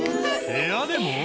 部屋でも！？